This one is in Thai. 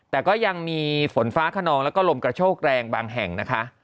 แต่ก็ยังมีฝนฟ้าขนองแล้วก็ลมกระโชกแรงบางแห่งนะคะ